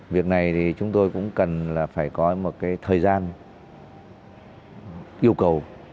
việc này thì chúng tôi cũng cần là phải có một cái thời gian yêu cầu